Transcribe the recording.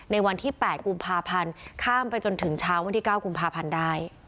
วันที่๘กุมภาพันธ์ข้ามไปจนถึงเช้าวันที่๙กุมภาพันธ์ได้